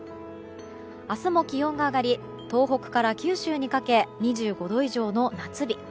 明日も気温が上がり東北から九州にかけ２５度以上の夏日。